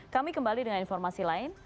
kami kembali dengan informasi lain